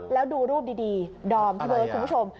แล้วดูรูปดีดอมพี่เบิร์ดคุณผู้ชม